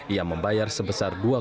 ia membayar sebesar dua tiga juta rupiah